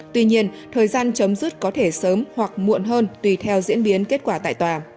tuy nhiên thời gian chấm dứt có thể sớm hoặc muộn hơn tùy theo diễn biến kết quả tại tòa